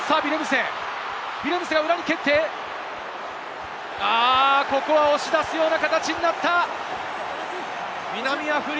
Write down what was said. ヴィレムセ、裏に蹴って、ここは押し出すような形になった。